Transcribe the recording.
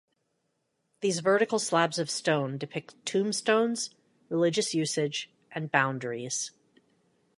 These vertical slabs of stone depict tombstones, religious usage, and boundaries.